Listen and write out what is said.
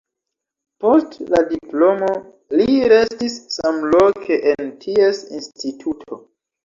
Post la diplomo li restis samloke en ties instituto.